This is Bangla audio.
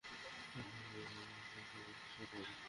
স্যার, আমি সবসময়ই বয়েজ স্কুলে পড়েছি।